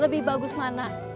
lebih bagus mana